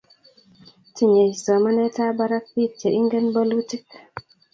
tinyei somanetab barak biik che ingen bolutik